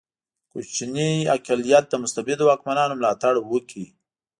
کوچنی اقلیت د مستبدو واکمنانو ملاتړ وکړي.